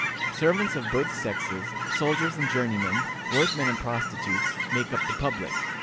Servants of both sexes, soldiers and journeymen, workwomen and prostitutes, make up the public.